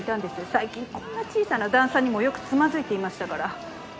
最近こんな小さな段差にもよくつまずいていましたから。